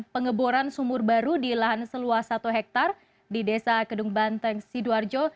pengeboran sumur baru di lahan seluas satu hektare di desa kedung banteng sidoarjo